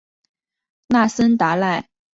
那森达赖出身台吉。